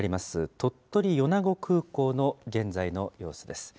鳥取米子空港の現在の様子です。